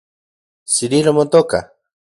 ¿Cirilo motoka?